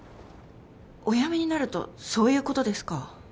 おやめになるとそういうことですか？